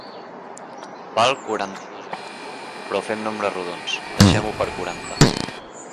Val quaranta-dos euros, però fem nombres rodons: deixem-ho per quaranta.